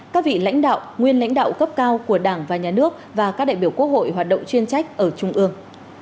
các vị lãnh đạo nguyên lãnh đạo cấp cao của đảng và nhà nước và các đại biểu quốc hội hoạt động chuyên trách ở trung ương